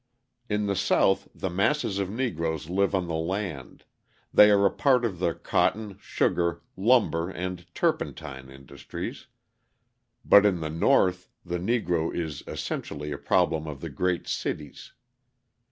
In the South the masses of Negroes live on the land; they are a part of the cotton, sugar, lumber and turpentine industries; but in the North the Negro is essentially a problem of the great cities.